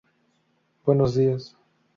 Buenos días.